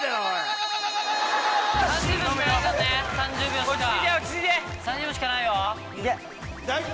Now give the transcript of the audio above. ３０秒しかないからね。